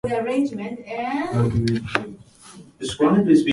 我々はその山脈で土着のガイドを雇った。